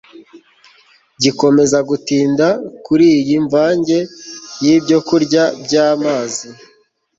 gikomeza gutinda kuri iyi mvange yibyokurya byamazi